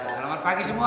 selamat pagi semua